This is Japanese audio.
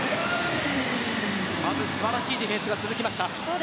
まず素晴らしいディフェンスが続きました。